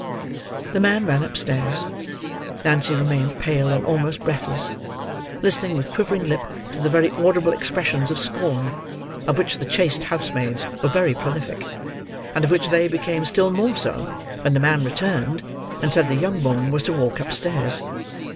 The man ran upstairs. Nancy remained, pale and almost breathless, listening with quivering lip to the very audible expressions of scorn, of which the chaste housemaids were very prolific; and of which they became still more so, when the man returned, and said the young woman was to walk upstairs.